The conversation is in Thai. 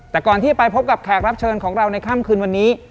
แต่ก่อนที่จะไปพบกับแขกรับเชิญของเราในค่ำคืนวันนี้